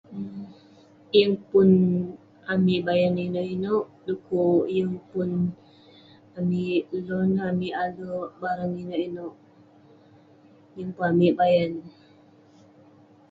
um Yeng pun amik bayan inouk inouk dekuk yeng pun amik [unintelligible] barang inouk inouk. Yeng pun amik bayan.